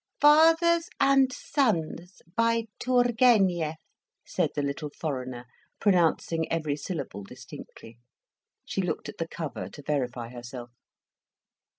"Fathers and Sons, by Turgenev," said the little foreigner, pronouncing every syllable distinctly. She looked at the cover, to verify herself.